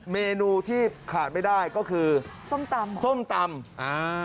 เมนูที่ขาดไม่ได้ก็คือส้มตำ